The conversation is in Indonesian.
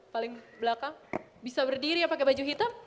paling belakang bisa berdiri ya pakai baju hitam